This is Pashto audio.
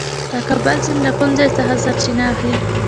د کابل سیند له کوم ځای څخه سرچینه اخلي؟